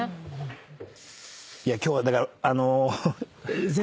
今日はだからあの。